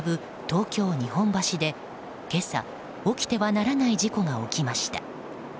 東京・日本橋で今朝、起きてはならない事故が起きました。